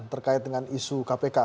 terkait dengan isu kpk